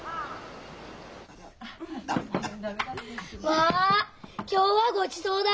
わ今日はごちそうだ！